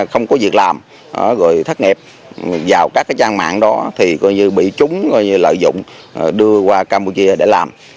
không có việc làm rồi thất nghiệp vào các cái trang mạng đó thì bị chúng lợi dụng đưa qua campuchia để làm